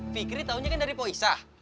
fikri taunya kan dari po isah